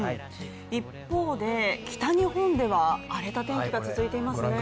一方で、北日本では荒れた天気が続いていますね。